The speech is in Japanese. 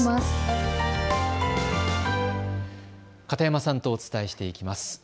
片山さんとお伝えしていきます。